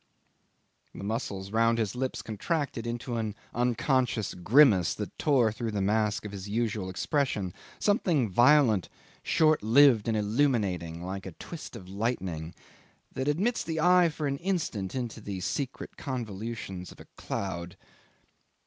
." The muscles round his lips contracted into an unconscious grimace that tore through the mask of his usual expression something violent, short lived and illuminating like a twist of lightning that admits the eye for an instant into the secret convolutions of a cloud.